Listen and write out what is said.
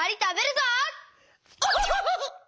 オホホホホ！